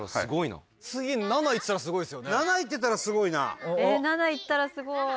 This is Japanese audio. ７いってたらすごいな！